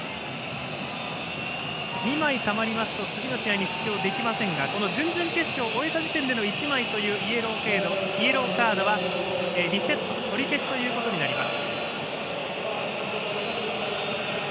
２枚たまりますと次の試合に出場できませんがこの準々決勝終えた時点での１枚のイエローカードは、リセット取り消しということになります。